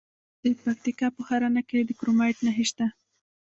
د پکتیکا په ښرنه کې د کرومایټ نښې شته.